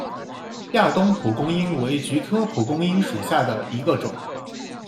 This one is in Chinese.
亚东蒲公英为菊科蒲公英属下的一个种。